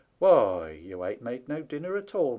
Why, ye ain't made no dinner at all.